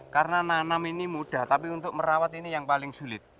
karena nanam ini mudah tapi untuk merawat ini yang paling sulit